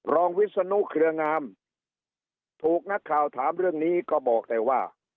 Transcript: วิศนุเครืองามถูกนักข่าวถามเรื่องนี้ก็บอกแต่ว่า